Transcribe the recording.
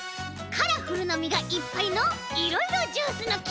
カラフルなみがいっぱいのいろいろジュースのき！